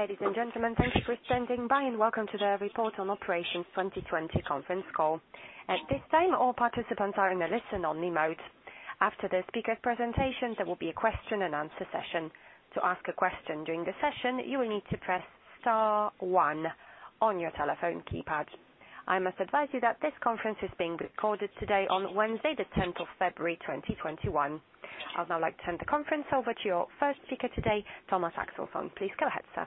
Ladies and gentlemen, thank you for standing by, and welcome to the Report on Operations 2020 conference call. At this time, all participants are in a listen-only mode. After the speaker presentation, there will be a question-and-answer session. To ask a question during the session you will need to press star one on your telephone keypad. I must advise you that this conference is being recorded today on Wednesday, the 10th of February 2021. I would now like to turn the conference over to your first speaker today, Thomas Axelsson. Please go ahead, sir.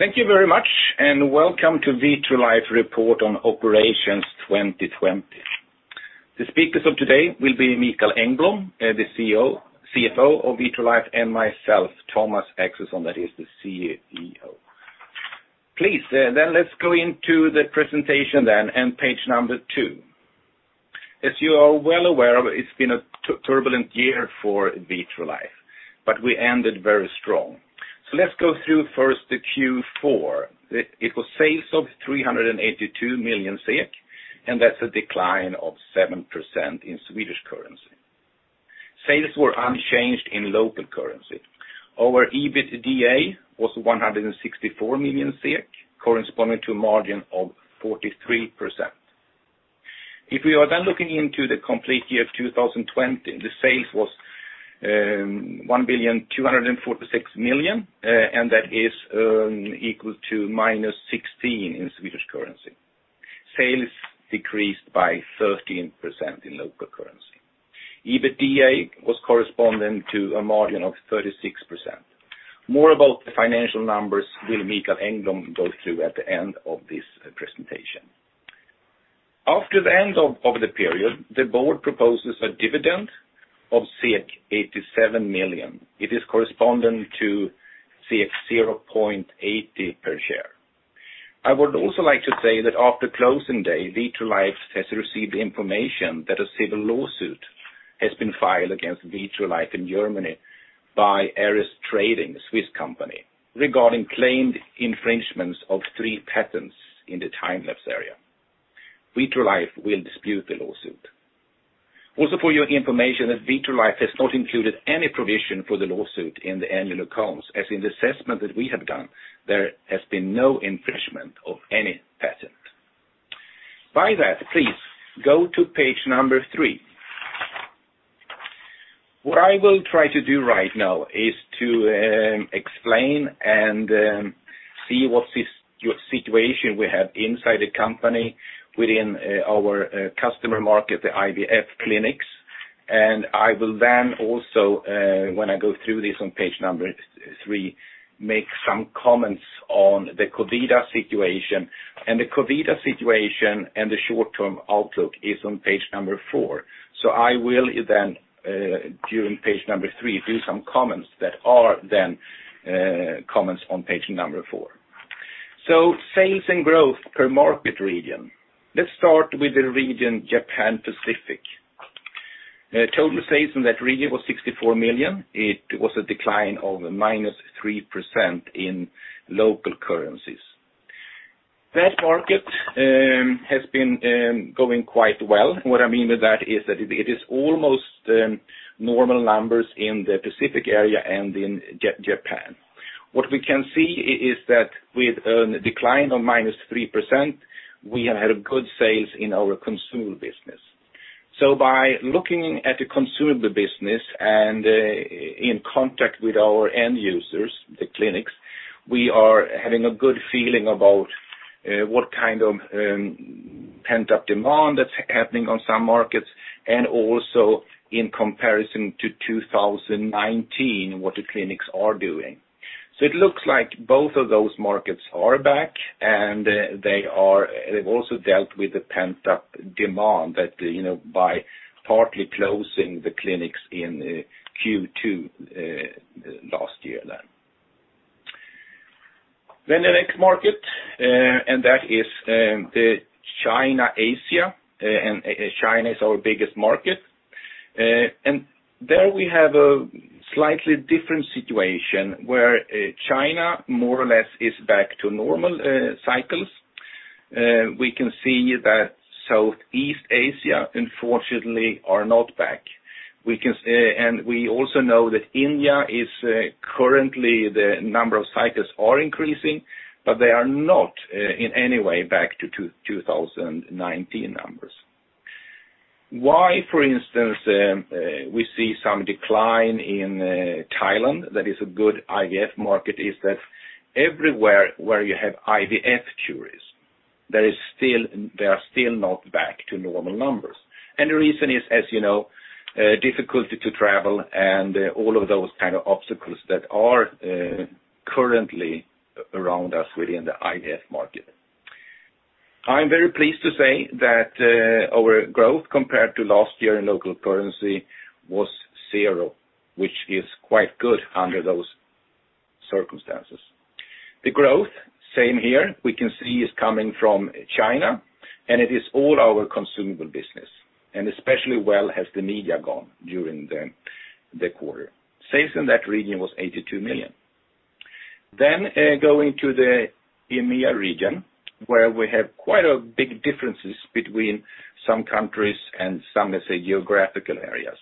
Thank you very much, welcome to Vitrolife Report on Operations 2020. The speakers of today will be Mikael Engblom, the CFO of Vitrolife, and myself, Thomas Axelsson, that is the CEO. Please, let's go into the presentation then, and page number two. As you are well aware of, it's been a turbulent year for Vitrolife, but we ended very strong. Let's go through first the Q4. It was sales of 382 million SEK, and that's a decline of 7% in Swedish currency. Sales were unchanged in local currency. Our EBITDA was 164 million, corresponding to a margin of 43%. If we are then looking into the complete year of 2020, the sale was 1,246 million, and that is equal to -16% in Swedish currency. Sales decreased by 13% in local currency. EBITDA was corresponding to a margin of 36%. More about the financial numbers will Mikael Engblom go through at the end of this presentation. After the end of the period, the board proposes a dividend of 87 million. It is corresponding to 0.80 per share. I would also like to say that after closing day, Vitrolife has received information that a civil lawsuit has been filed against Vitrolife in Germany by Ares Trading, a Swiss company, regarding claimed infringements of three patents in the time-lapse area. Vitrolife will dispute the lawsuit. For your information, that Vitrolife has not included any provision for the lawsuit in the annual accounts, as in the assessment that we have done, there has been no infringement of any patent. By that, please, go to page number three. What I will try to do right now is to explain and see what situation we have inside the company within our customer market, the IVF clinics. I will then also, when I go through this on page number three, make some comments on the COVID situation. The COVID situation and the short-term outlook is on page number four. I will then, during page number three, do some comments that are then comments on page number four. Sales and growth per market region. Let's start with the region Japan Pacific. Total sales in that region was 64 million. It was a decline of -3% in local currencies. That market has been going quite well. What I mean with that is that it is almost normal numbers in the Pacific area and in Japan. What we can see is that with a decline of -3%, we have had good sales in our consumer business. By looking at the consumable business and in contact with our end users, the clinics, we are having a good feeling about what kind of pent-up demand that's happening on some markets, and also in comparison to 2019, what the clinics are doing. It looks like both of those markets are back, and they've also dealt with the pent-up demand that by partly closing the clinics in Q2 last year then. The next market is the China Asia. China is our biggest market. There we have a slightly different situation where China more or less is back to normal cycles. We can see that Southeast Asia, unfortunately, are not back. We also know that India is currently the number of cycles are increasing, but they are not in any way back to 2019 numbers. Why, for instance, we see some decline in Thailand, that is a good IVF market, is that everywhere where you have IVF [cures], they are still not back to normal numbers. The reason is, as you know, difficulty to travel and all of those kind of obstacles that are currently around us within the IVF market. I am very pleased to say that our growth compared to last year in local currency was 0, which is quite good under those circumstances. The growth, same here, we can see is coming from China, and it is all our consumable business. Especially well has the media gone during the quarter. Sales in that region was 82 million. Going to the EMEA region, where we have quite big differences between some countries and some geographical areas.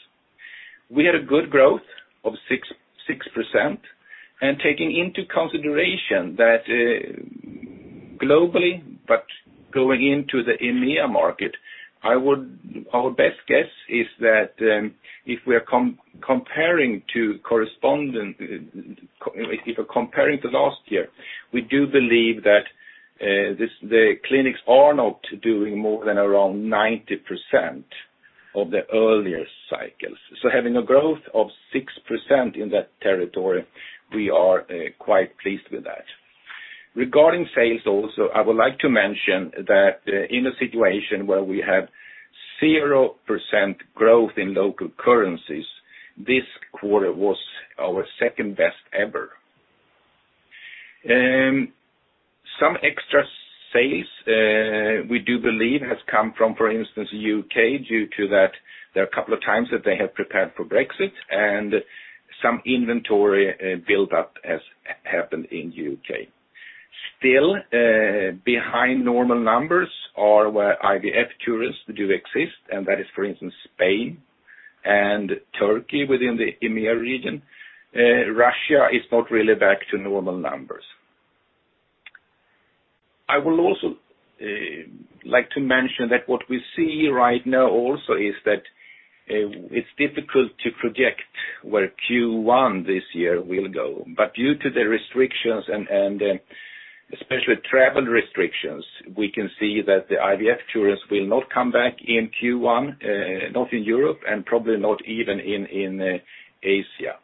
We had a good growth of 6%, and taking into consideration that globally, but going into the EMEA market, our best guess is that if we're comparing to last year, we do believe that the clinics are not doing more than around 90% of the earlier cycles. Having a growth of 6% in that territory, we are quite pleased with that. Regarding sales also, I would like to mention that in a situation where we have 0% growth in local currencies, this quarter was our second best ever. Some extra sales, we do believe, has come from, for instance, U.K., due to that there are a couple of times that they have prepared for Brexit and some inventory buildup has happened in U.K. Still, behind normal numbers are where IVF tourists do exist, and that is, for instance, Spain and Turkey within the EMEA region. Russia is not really back to normal numbers. I would also like to mention that what we see right now also is that it's difficult to project where Q1 this year will go. Due to the restrictions and especially travel restrictions, we can see that the IVF tourists will not come back in Q1, not in Europe, and probably not even in Asia.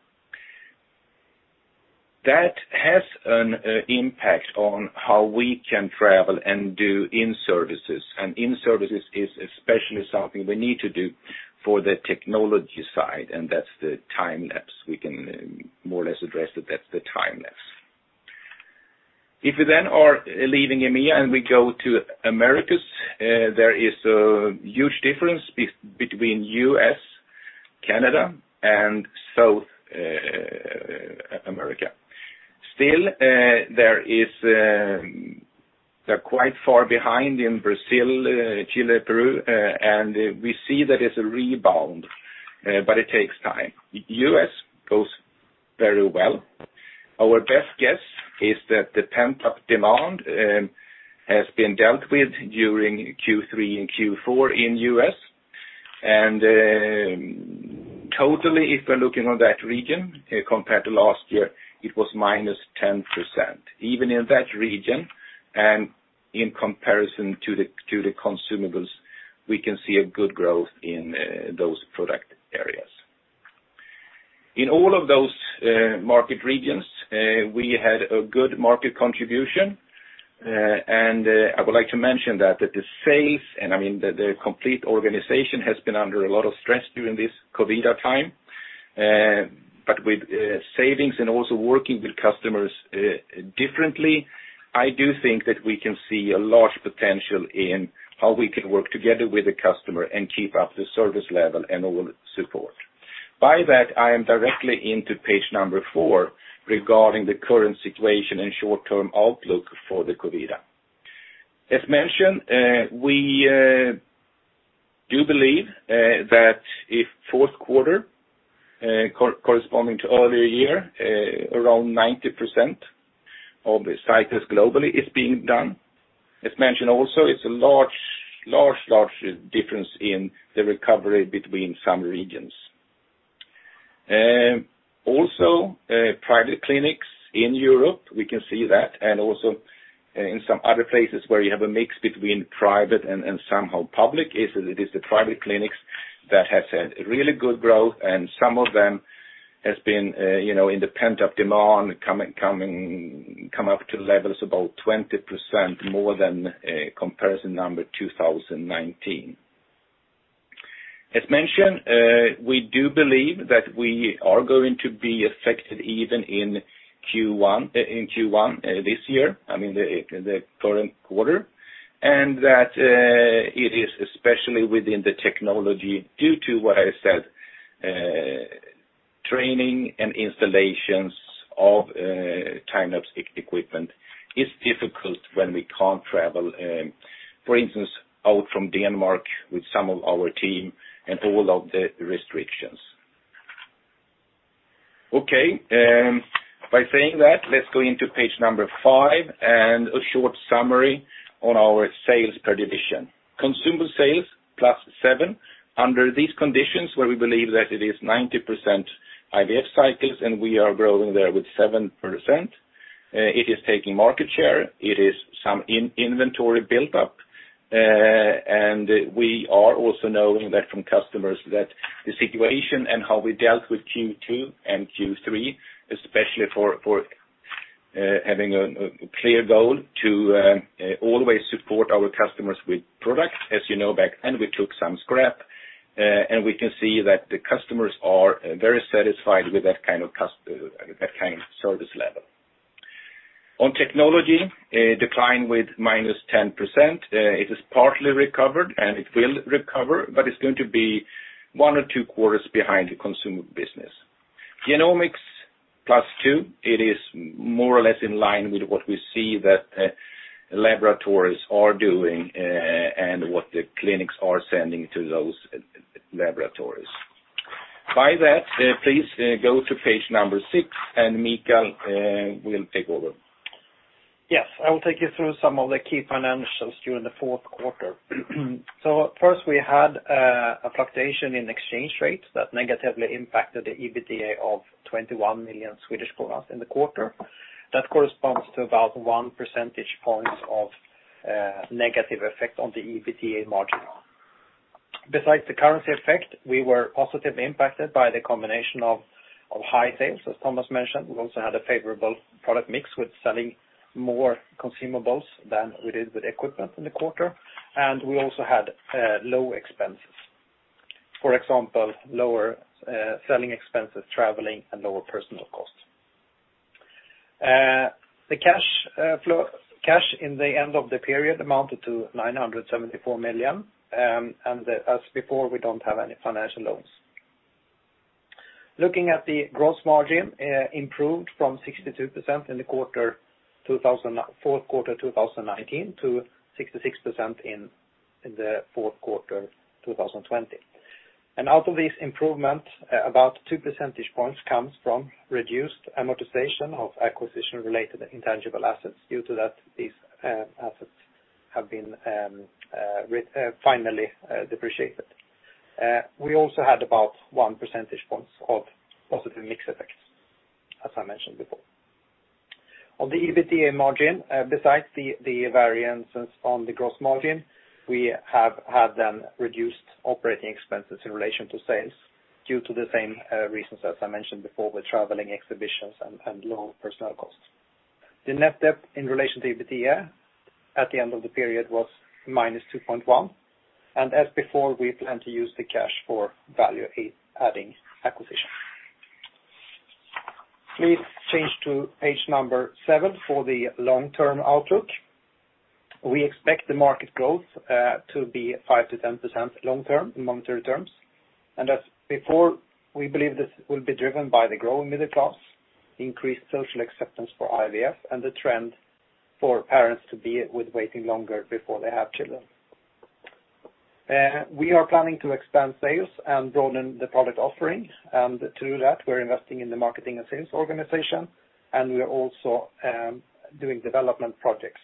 That has an impact on how we can travel and do in-services, and in-services is especially something we need to do for the technology side, and that's the time-lapse. We can more or less address that that's the time-lapse. If we then are leaving EMEA and we go to Americas, there is a huge difference between U.S., Canada, and South America. Still, they're quite far behind in Brazil, Chile, Peru, and we see that it's a rebound, but it takes time. U.S. goes very well. Our best guess is that the pent-up demand has been dealt with during Q3 and Q4 in U.S. Totally, if we're looking on that region compared to last year, it was -10%. Even in that region and in comparison to the consumables, we can see a good growth in those product areas. In all of those market regions, we had a good market contribution. I would like to mention that the sales, and I mean, the complete organization has been under a lot of stress during this COVID time. With savings and also working with customers differently, I do think that we can see a large potential in how we can work together with the customer and keep up the service level and all support. By that, I am directly into page number four regarding the current situation and short-term outlook for the COVID. As mentioned, we do believe that if fourth quarter corresponding to earlier year, around 90% of the cycles globally is being done. As mentioned also, it's a large difference in the recovery between some regions. Private clinics in Europe, we can see that, and also in some other places where you have a mix between private and somehow public, is that it is the private clinics that has had really good growth, and some of them has been in the pent-up demand come up to levels about 20% more than comparison number 2019. As mentioned, we do believe that we are going to be affected even in Q1 this year, I mean, the current quarter, and that it is especially within the technology due to what I said. Training and installations of time-lapse equipment is difficult when we can't travel, for instance, out from Denmark with some of our team and all of the restrictions. Okay. By saying that, let's go into page number five and a short summary on our sales per division. Consumable sales, +7%. Under these conditions, where we believe that it is 90% IVF cycles and we are growing there with 7%. It is taking market share, it is some inventory built up, and we are also knowing that from customers that the situation and how we dealt with Q2 and Q3, especially for having a clear goal to always support our customers with product. As you know, back end, we took some scrap, and we can see that the customers are very satisfied with that kind of service level. On technology, a decline with minus 10%. It is partly recovered, and it will recover, but it's going to be one or two quarters behind the consumable business. Genomics, +2. It is more or less in line with what we see that laboratories are doing and what the clinics are sending to those laboratories. By that, please go to page number six, and Mikael will take over. Yes. I will take you through some of the key financials during the fourth quarter. First, we had a fluctuation in exchange rates that negatively impacted the EBITDA of 21 million Swedish kronor in the quarter. That corresponds to about one percentage points of negative effect on the EBITDA margin. Besides the currency effect, we were positively impacted by the combination of high sales, as Thomas mentioned. We also had a favorable product mix with selling more consumables than we did with equipment in the quarter. We also had low expenses. For example, lower selling expenses, traveling, and lower personal costs. The cash in the end of the period amounted to 974 million. As before, we don't have any financial loans. Looking at the gross margin, improved from 62% in the fourth quarter 2019 to 66% in the fourth quarter 2020. Out of this improvement, about two percentage points comes from reduced amortization of acquisition-related intangible assets due to that these assets have been finally depreciated. We also had about one percentage point of positive mix effects, as I mentioned before. On the EBITDA margin, besides the variances on the gross margin, we have had then reduced operating expenses in relation to sales due to the same reasons as I mentioned before, with traveling, exhibitions, and low personnel costs. The net debt in relation to EBITDA at the end of the period was -2.1, and as before, we plan to use the cash for value-adding acquisition. Please change to page number seven for the long-term outlook. We expect the market growth to be 5%-10% long term in monetary terms. As before, we believe this will be driven by the growing middle class, increased social acceptance for IVF, and the trend for parents to be waiting longer before they have children. We are planning to expand sales and broaden the product offering. To do that, we're investing in the marketing and sales organization. We are also doing development projects.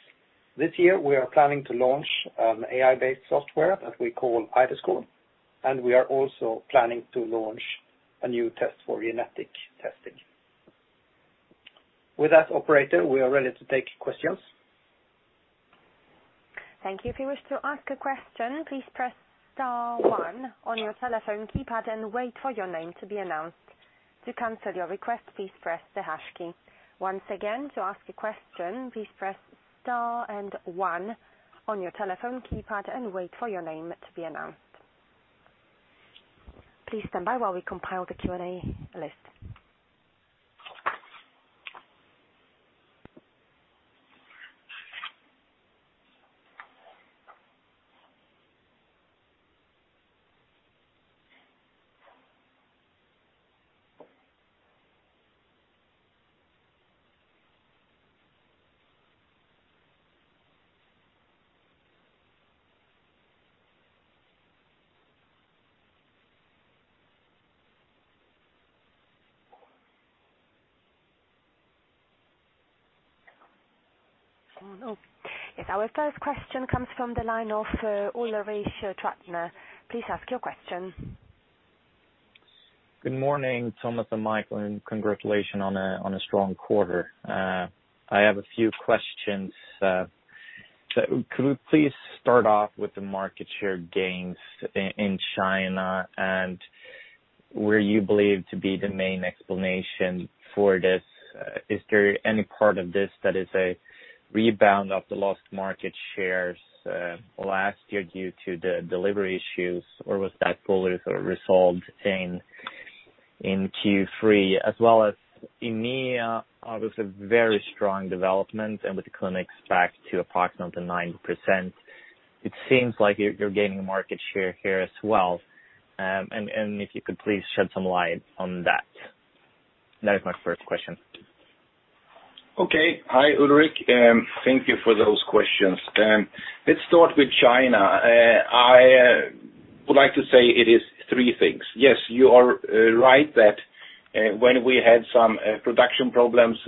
This year, we are planning to launch an AI-based software that we call iDAScore. We are also planning to launch a new test for genetic testing. With that, operator, we are ready to take questions. Thank you. If you wish to ask a question, please press star key one on your telephone keypad and wait for your name to be announced. To cancel your request, please press the hash key. Once again to ask a question, please press press star key and one on your telephone keypad and wait for your name to be announced. Please standby as we compile the Q&A list. Yes, our first question comes from the line of Ulrik Trattner. Please ask your question. Good morning, Thomas and Mikael, congratulations on a strong quarter. I have a few questions. Could we please start off with the market share gains in China, where you believe to be the main explanation for this? Is there any part of this that is a rebound of the lost market shares last year due to the delivery issues, or was that fully sort of resolved in Q3? As well as EMEA, obviously very strong development, with the clinics back to approximately 90%. It seems like you're gaining market share here as well. If you could please shed some light on that. That is my first question. Okay. Hi, Ulrik. Thank you for those questions. Let's start with China. I would like to say it is three things. Yes, you are right that when we had some production problems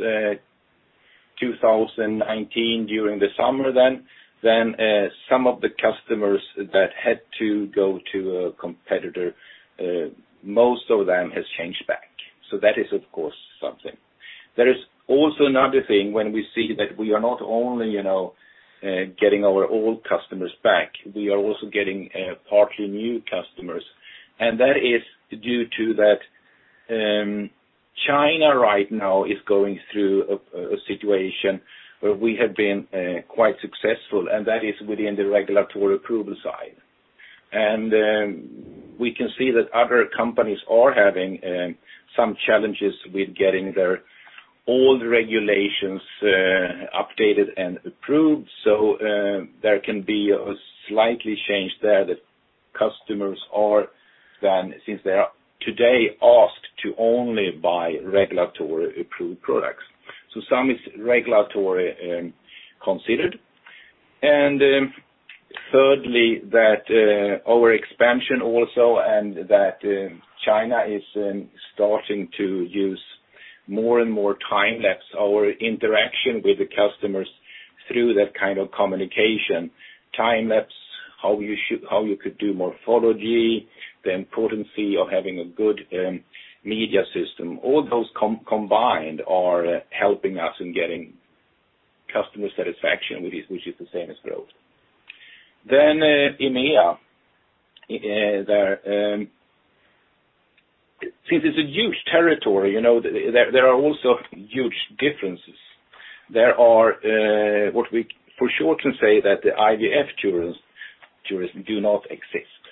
2019 during the summer then some of the customers that had to go to a competitor, most of them has changed back. That is, of course, something. There is also another thing when we see that we are not only getting our old customers back, we are also getting partly new customers, and that is due to that China right now is going through a situation where we have been quite successful, and that is within the regulatory approval side. We can see that other companies are having some challenges with getting their old regulations updated and approved. There can be a slight change there that customers are then, since they are today asked to only buy regulatory approved products. Some is regulatory considered. Thirdly, that our expansion also, and that China is starting to use more and more time-lapse, our interaction with the customers through that kind of communication. Time-lapse, how you could do morphology, the importance of having a good media system, all those combined are helping us in getting customer satisfaction, which is the same as growth. EMEA, since it's a huge territory, there are also huge differences. There are, what we for short can say, that the IVF tourists do not exist,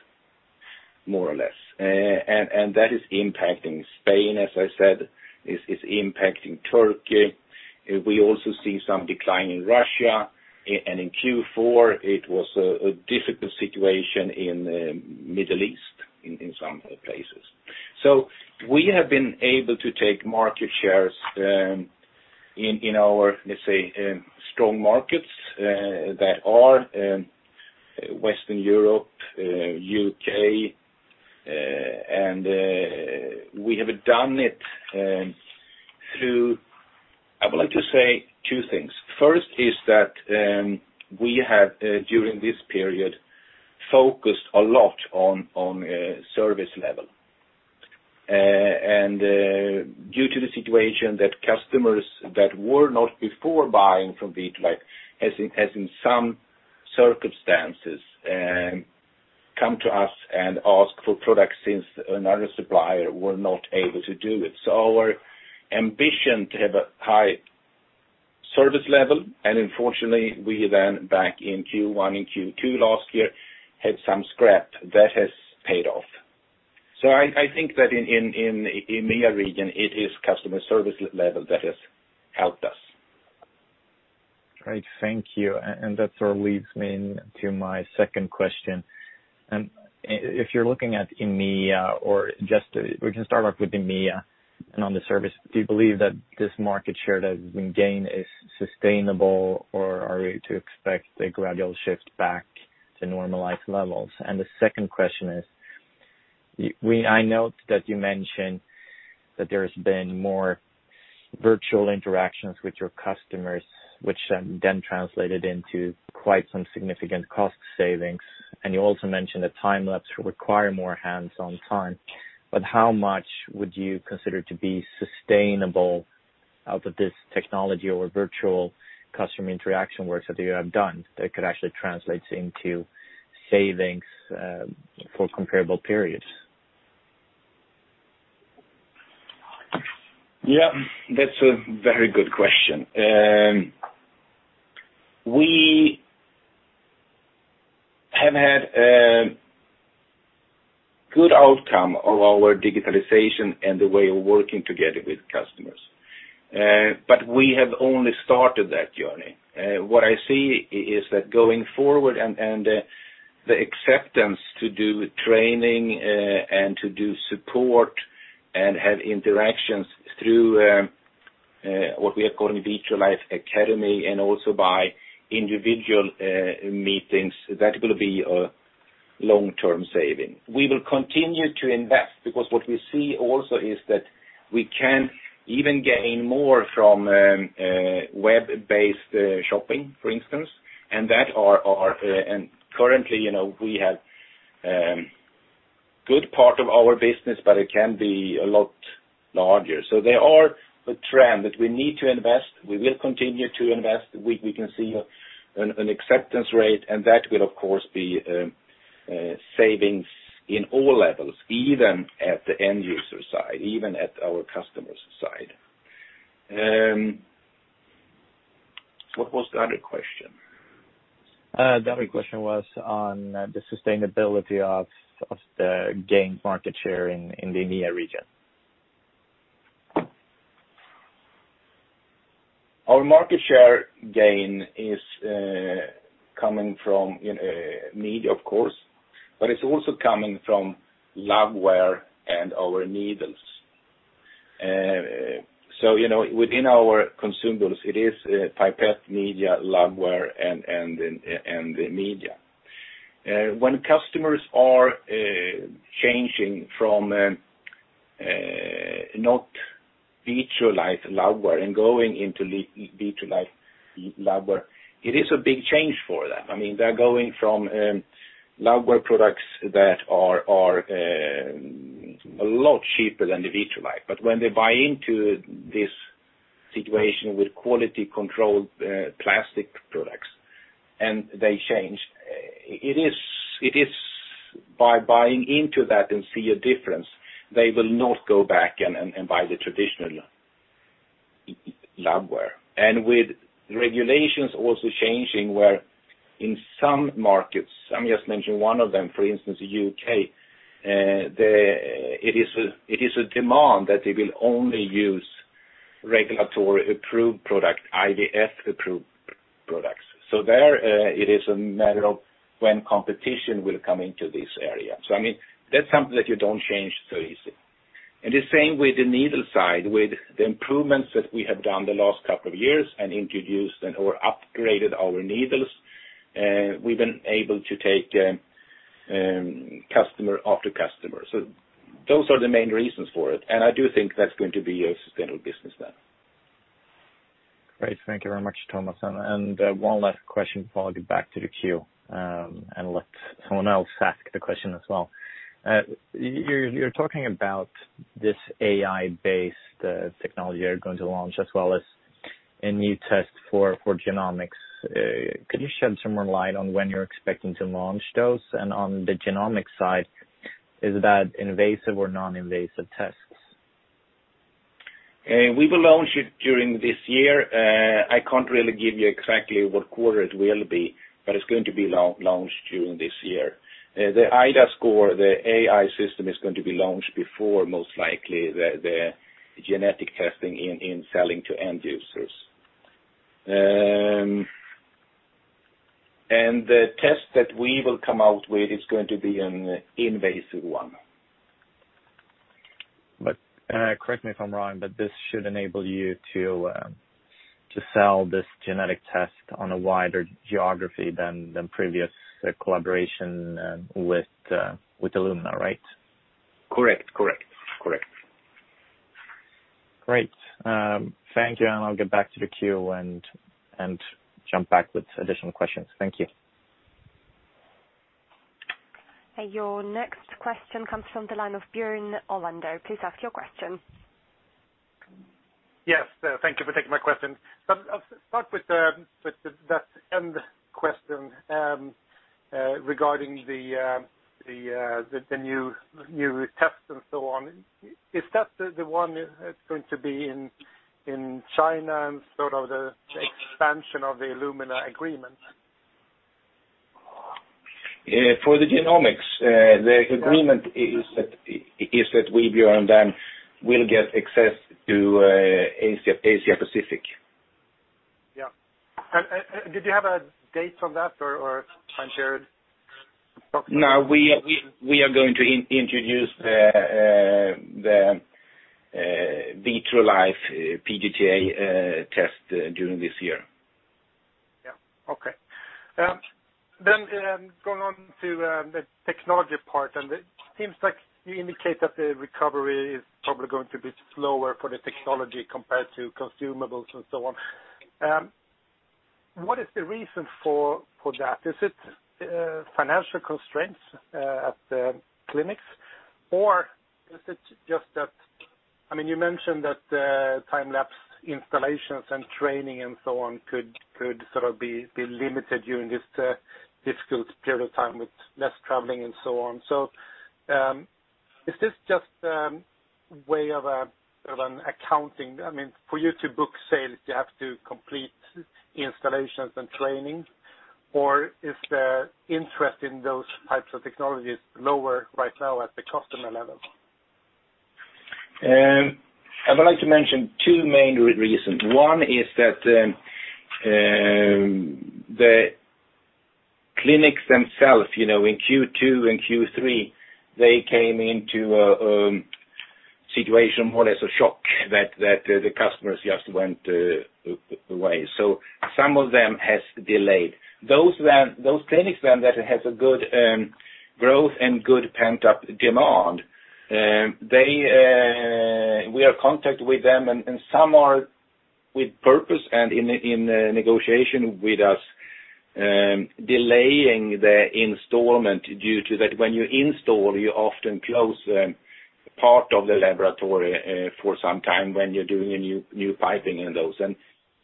more or less. That is impacting Spain, as I said, it's impacting Turkey. We also see some decline in Russia. In Q4, it was a difficult situation in Middle East in some places. We have been able to take market shares in our, let's say, strong markets that are Western Europe, U.K., and we have done it through, I would like to say two things. First is that we have, during this period, focused a lot on service level. Due to the situation that customers that were not before buying from Vitrolife, has in some circumstances, come to us and asked for products since another supplier were not able to do it. Our ambition to have a high service level, and unfortunately, we then back in Q1 and Q2 last year, had some scrap that has paid off. I think that in EMEA region, it is customer service level that has helped us. Great. Thank you. That sort of leads me into my second question. If you're looking at EMEA or just, we can start off with EMEA and on the service, do you believe that this market share that has been gained is sustainable, or are we to expect a gradual shift back to normalized levels? The second question is, I note that you mentioned that there's been more virtual interactions with your customers, which then translated into quite some significant cost savings. You also mentioned that time-lapse require more hands-on time. How much would you consider to be sustainable out of this technology or virtual customer interaction works that you have done that could actually translate into savings for comparable periods? Yeah, that's a very good question. We have had a good outcome of our digitalization and the way of working together with customers. We have only started that journey. What I see is that going forward and the acceptance to do training and to do support and have interactions through what we are calling Vitrolife Academy and also by individual meetings, that will be a long-term saving. We will continue to invest because what we see also is that we can even gain more from web-based shopping, for instance, and currently, we have good part of our business, but it can be a lot larger. There is a trend that we need to invest. We will continue to invest. We can see an acceptance rate, and that will of course be savings in all levels, even at the end user side, even at our customer's side. What was the other question? The other question was on the sustainability of the gained market share in the EMEA region. Our market share gain is coming from media, of course, but it is also coming from labware and our needles. Within our consumables, it is pipette media, labware and the media. When customers are changing from not Vitrolife Labware and going into Vitrolife Labware, it is a big change for them. They are going from labware products that are a lot cheaper than the Vitrolife. When they buy into this situation with quality control plastic products, and they change, it is by buying into that and see a difference, they will not go back and buy the traditional labware. With regulations also changing where in some markets, I am just mentioning one of them, for instance, U.K., it is a demand that they will only use regulatory approved product, IVF-approved products. There, it is a matter of when competition will come into this area. That's something that you don't change so easy. The same with the needle side, with the improvements that we have done the last couple of years and introduced and/or upgraded our needles, we've been able to take customer after customer. Those are the main reasons for it, and I do think that's going to be a sustainable business now. Great. Thank you very much, Thomas. One last question before I get back to the queue, and let someone else ask the question as well. You're talking about this AI-based technology you're going to launch as well as a new test for genomics. Could you shed some more light on when you're expecting to launch those? On the genomics side, is that invasive or non-invasive tests? We will launch it during this year. I can't really give you exactly what quarter it will be, but it's going to be launched during this year. The iDAScore, the AI system, is going to be launched before, most likely, the genetic testing in selling to end users. The test that we will come out with is going to be an invasive one. Correct me if I'm wrong, but this should enable you to sell this genetic test on a wider geography than the previous collaboration with Illumina, right? Correct. Great. Thank you, and I'll get back to the queue and jump back with additional questions. Thank you. Your next question comes from the line of Bjorn Orlando. Please ask your question. Yes. Thank you for taking my question. I'll start with that end question, regarding the new tests and so on. Is that the one that's going to be in China and sort of the expansion of the Illumina agreement? For the genomics, the agreement is that we, Bjorn, then will get access to Asia-Pacific. Yeah. Did you have a date on that, or time shared? No, we are going to introduce the Vitrolife PGT-A test during this year. Yeah. Okay. Going on to the technology part, and it seems like you indicate that the recovery is probably going to be slower for the technology compared to consumables and so on. What is the reason for that? Is it financial constraints at the clinics, or is it just that you mentioned that time-lapse installations and training and so on could sort of be limited during this difficult period of time with less traveling and so on? Is this just way of an accounting? For you to book sales, do you have to complete installations and training, or is the interest in those types of technologies lower right now at the customer level? I would like to mention two main reasons. One is that the clinics themselves, in Q2 and Q3, they came into a situation, more or less a shock, that the customers just went away. Some of them has delayed. Those clinics then that has a good growth and good pent-up demand, we are in contact with them, and some are, with purpose and in negotiation with us, delaying the installment due to that when you install, you often close part of the laboratory for some time when you're doing a new piping and those.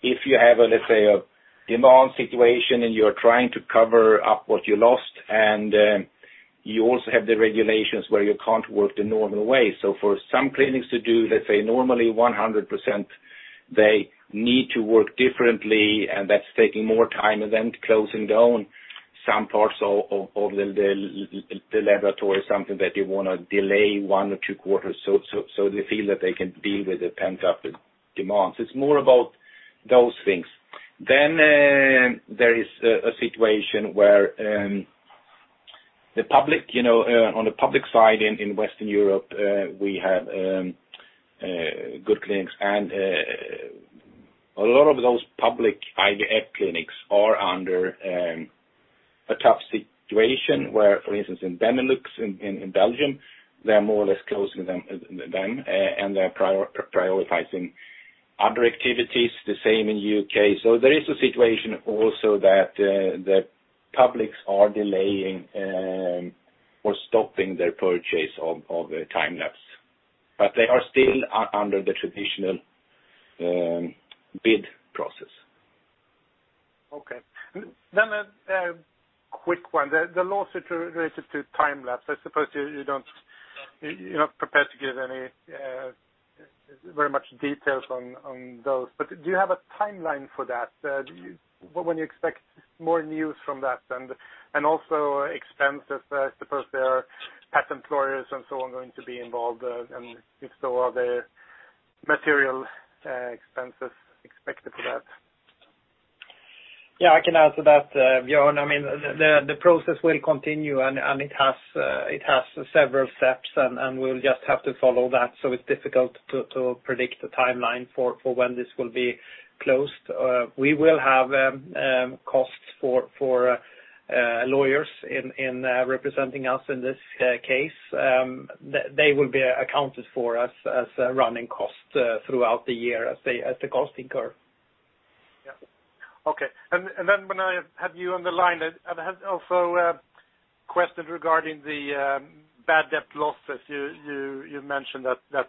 If you have, let's say, a demand situation and you're trying to cover up what you lost, and you also have the regulations where you can't work the normal way. For some clinics to do, let's say normally 100%, they need to work differently and that's taking more time, closing down some parts of the laboratory, something that they want to delay one or two quarters, they feel that they can deal with the pent-up demands. It's more about those things. There is a situation where on the public side in Western Europe, we have good clinics and a lot of those public IVF clinics are under a tough situation where, for instance, in Benelux, in Belgium, they're more or less closing them, and they're prioritizing other activities, the same in U.K. There is a situation also that the publics are delaying, or stopping their purchase of time-lapse. They are still under the traditional bid process. A quick one. The lawsuit related to time-lapse, I suppose you're not prepared to give very much details on those, but do you have a timeline for that? When do you expect more news from that? Also expenses, I suppose there are patent lawyers and so on going to be involved, and if so, are there material expenses expected for that? Yeah, I can answer that, Bjorn. The process will continue, and it has several steps, and we'll just have to follow that. It's difficult to predict the timeline for when this will be closed. We will have costs for lawyers in representing us in this case. They will be accounted for as running costs throughout the year as the costing curve. Yeah. Okay. When I have you on the line, I have also a question regarding the bad debt losses. You mentioned that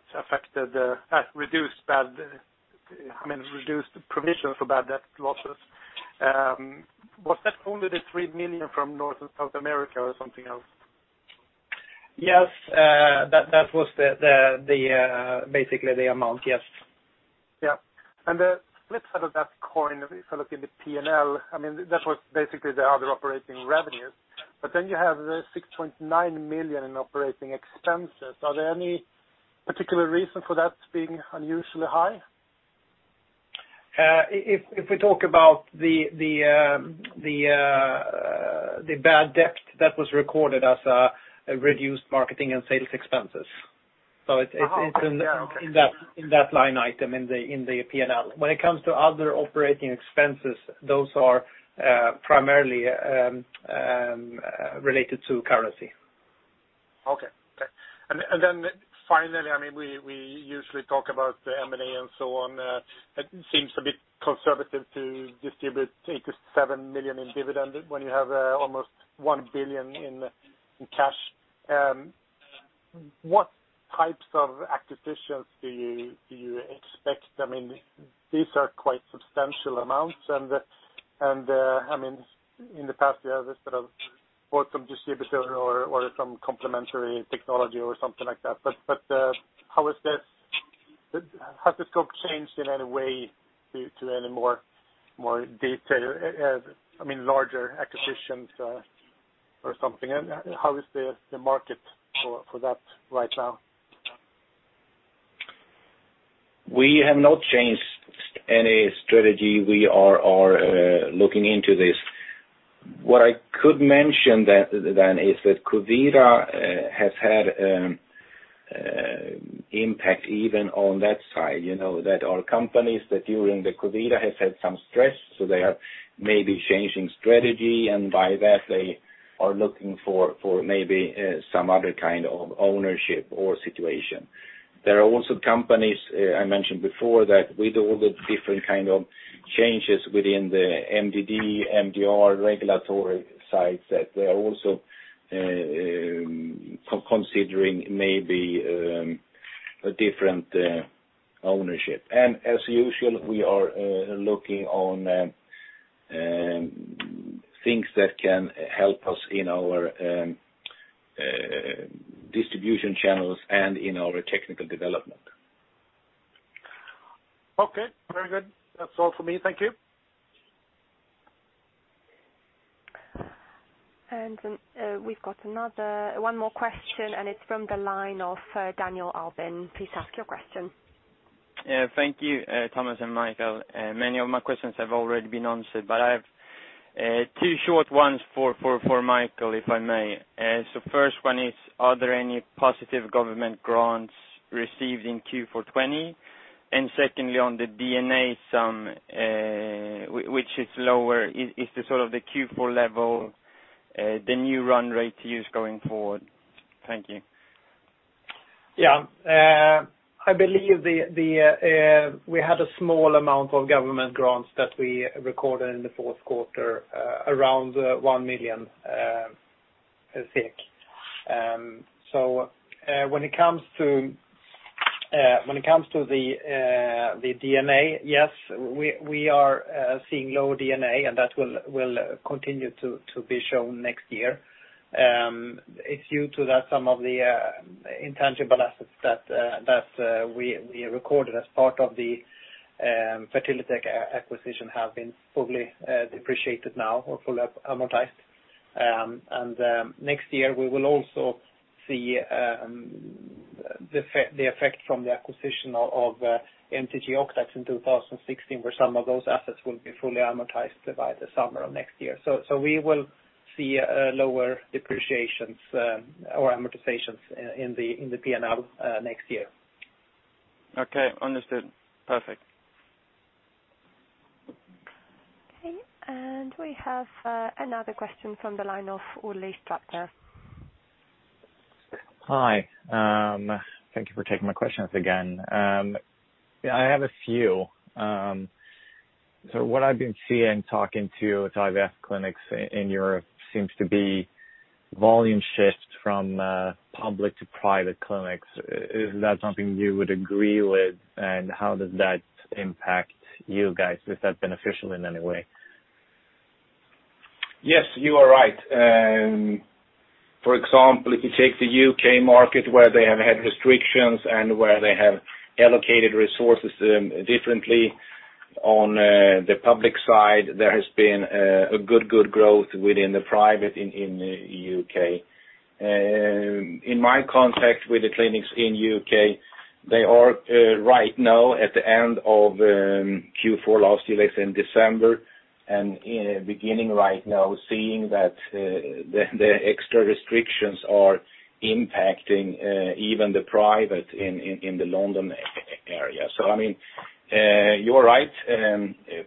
reduced provision for bad debt losses. Was that only the 3 million from North and South America or something else? Yes, that was basically the amount. Yes. Yeah. The flip side of that coin, if you look in the P&L, that was basically the other operating revenues. You have the 6.9 million in operating expenses. Are there any particular reason for that being unusually high? If we talk about the bad debt, that was recorded as a reduced marketing and sales expenses. Oh, okay. It's in that line item in the P&L. When it comes to other operating expenses, those are primarily related to currency. Okay. Finally, we usually talk about the M&A and so on. It seems a bit conservative to distribute 87 million in dividend when you have almost 1 billion in cash. What types of acquisitions do you expect? These are quite substantial amounts, in the past, you have bought some distributor or some complementary technology or something like that. Has the scope changed in any way to any larger acquisitions or something? How is the market for that right now? We have not changed any strategy. We are looking into this. What I could mention then is that COVID has had impact even on that side, that our companies that during the COVID has had some stress, so they are maybe changing strategy, and by that, they are looking for maybe some other kind of ownership or situation. There are also companies, I mentioned before, that with all the different kind of changes within the MDD, MDR regulatory sides, that they are also considering maybe a different ownership. As usual, we are looking on things that can help us in our distribution channels and in our technical development. Okay, very good. That's all for me. Thank you. We've got one more question, and it's from the line of Daniel Albin. Please ask your question. Thank you, Thomas and Mikael. Many of my questions have already been answered, but I have two short ones for Mikael, if I may. First one is, are there any positive government grants received in Q4 2020? Secondly, on the D&A sum, which is lower, is the sort of the Q4 level the new run rate to use going forward? Thank you. Yeah. I believe we had a small amount of government grants that we recorded in the fourth quarter, around 1 million. When it comes to the D&A, yes, we are seeing lower D&A, and that will continue to be shown next year. It's due to that some of the intangible assets that we recorded as part of the FertiliTech acquisition have been fully depreciated now or fully amortized. Next year, we will also see the effect from the acquisition of MTG/OCTAX in 2016, where some of those assets will be fully amortized by the summer of next year. We will see lower depreciations or amortizations in the P&L next year. Okay, understood. Perfect. Okay. We have another question from the line of Ole Strater. Hi. Thank you for taking my questions again. I have a few. What I've been seeing talking to IVF clinics in Europe seems to be volume shift from public to private clinics. Is that something you would agree with? How does that impact you guys? Is that beneficial in any way? Yes, you are right. For example, if you take the U.K. market where they have had restrictions and where they have allocated resources differently on the public side, there has been a good good growth within the private in U.K. In my contact with the clinics in U.K., they are right now at the end of Q4 last year, in December, and beginning right now seeing that the extra restrictions are impacting even the private in the London area. You are right.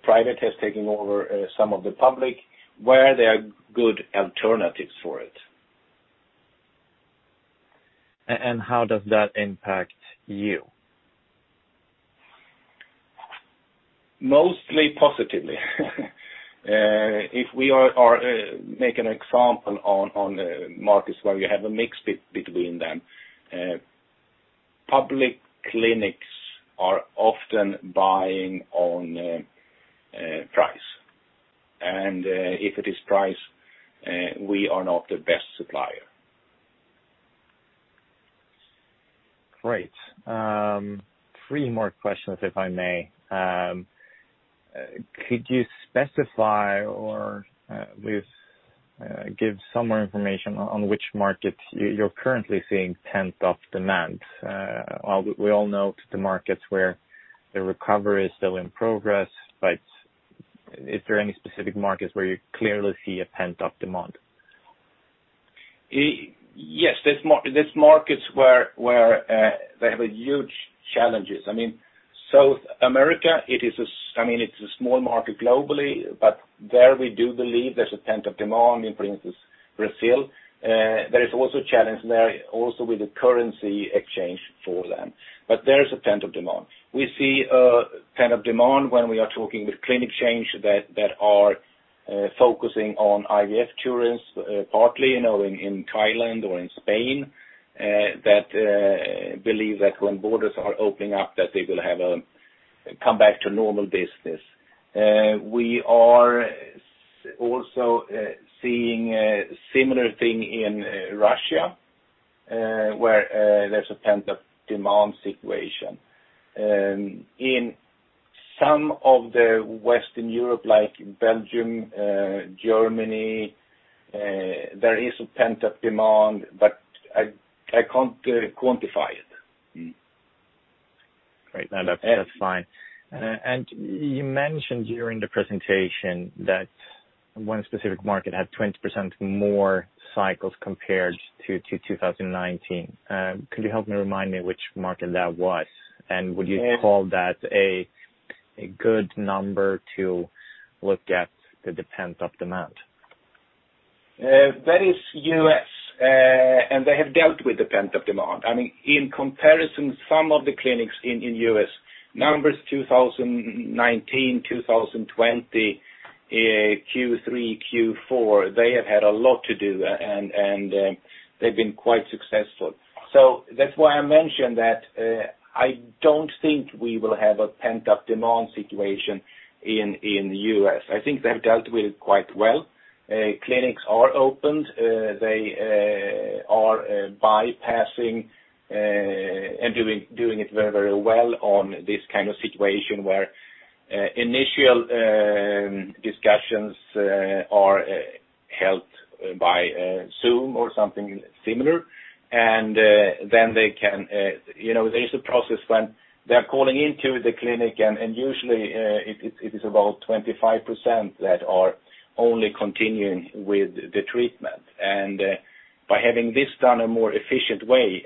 Private has taken over some of the public where there are good alternatives for it. How does that impact you? Mostly positively. If we make an example on the markets where you have a mix between them, public clinics are often buying on price. If it is price, we are not the best supplier. Great. Three more questions, if I may. Could you specify or give some more information on which markets you're currently seeing pent-up demand? We all know the markets where the recovery is still in progress. Is there any specific markets where you clearly see a pent-up demand? Yes. There's markets where they have huge challenges. South America, it's a small market globally, but there we do believe there's a pent-up demand in, for instance, Brazil. There is also a challenge there also with the currency exchange for them. There is a pent-up demand. We see a pent-up demand when we are talking with clinic chains that are focusing on IVF tourists, partly in Thailand or in Spain, that believe that when borders are opening up, that they will come back to normal business. We are also seeing a similar thing in Russia, where there's a pent-up demand situation. In some of the Western Europe, like Belgium, Germany, there is a pent-up demand, but I can't quantify it. Great. No, that's fine. You mentioned during the presentation that one specific market had 20% more cycles compared to 2019. Could you help me remind me which market that was? Would you call that a good number to look at the pent-up demand? That is U.S., they have dealt with the pent-up demand. In comparison, some of the clinics in U.S., numbers 2019, 2020, Q3, Q4, they have had a lot to do, and they've been quite successful. That's why I mentioned that I don't think we will have a pent-up demand situation in the U.S. I think they've dealt with it quite well. Clinics are opened. They are bypassing and doing it very well on this kind of situation where initial discussions are held by Zoom or something similar. Then there is a process when they're calling into the clinic, and usually it is about 25% that are only continuing with the treatment. By having this done a more efficient way,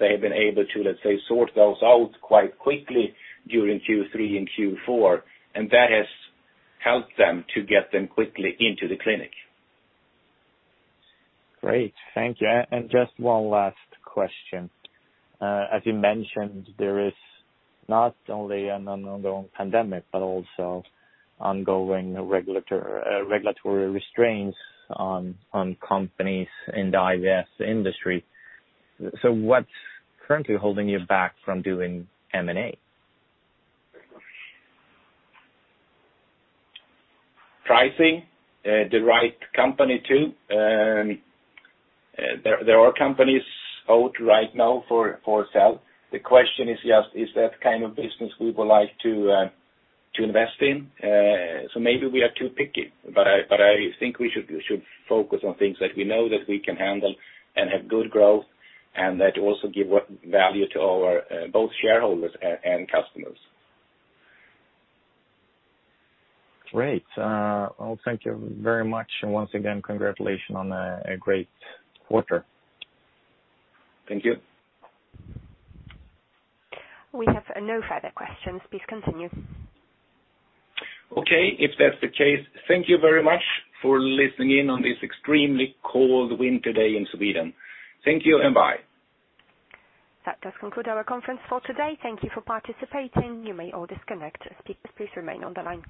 they have been able to, let's say, sort those out quite quickly during Q3 and Q4, and that has helped them to get them quickly into the clinic. Great. Thank you. Just one last question. As you mentioned, there is not only an ongoing pandemic but also ongoing regulatory restraints on companies in the IVF industry. What's currently holding you back from doing M&A? Pricing. The right company, too. There are companies out right now for sale. The question is just, is that kind of business we would like to invest in? Maybe we are too picky, but I think we should focus on things that we know that we can handle and have good growth, and that also give value to both shareholders and customers. Great. Well, thank you very much. Once again, congratulations on a great quarter. Thank you. We have no further questions. Please continue. Okay. If that's the case, thank you very much for listening in on this extremely cold winter day in Sweden. Thank you, and bye. That does conclude our conference for today. Thank you for participating. You may all disconnect. Speakers, please remain on the line.